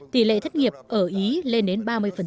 tỷ lệ thất nghiệp ở ý lên đến ba mươi